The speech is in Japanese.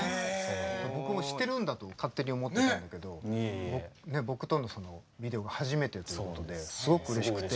僕もしてるんだと勝手に思ってたんだけど僕とのビデオが初めてということですごくうれしくて。